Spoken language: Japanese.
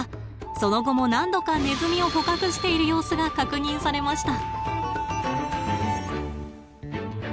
その後も何度かネズミを捕獲している様子が確認されました。